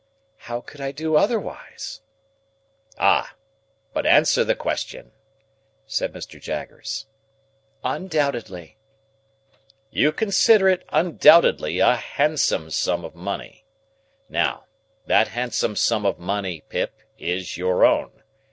"How could I do otherwise!" "Ah! But answer the question," said Mr. Jaggers. "Undoubtedly." "You consider it, undoubtedly, a handsome sum of money. Now, that handsome sum of money, Pip, is your own.